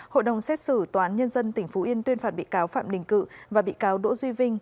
hội đồng xét xử toán nhân dân tỉnh phú yên tuyên phạt bị cáo phạm đình cự và bị cáo đỗ duy vinh